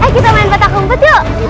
dia sangat cepat